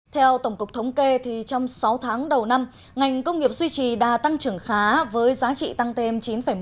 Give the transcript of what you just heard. theo tổng cục thống kê trong sáu tháng đầu năm ngành công nghiệp suy trì đã tăng trưởng khá với giá trị tăng thêm chín một mươi ba